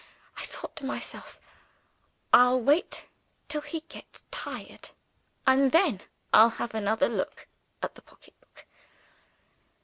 I thought to myself, 'I'll wait till he gets tired, and then I'll have another look at the pocketbook.